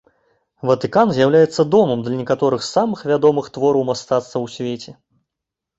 Ватыкан з'яўляецца домам для некаторых з самых вядомых твораў мастацтва ў свеце.